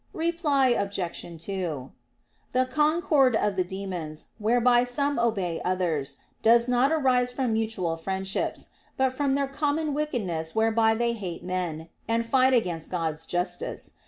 Reply Obj. 2: The concord of the demons, whereby some obey others, does not arise from mutual friendships, but from their common wickedness whereby they hate men, and fight against God's justice.